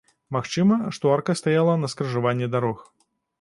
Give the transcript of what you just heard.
Магчыма, што арка стаяла на скрыжаванні дарог.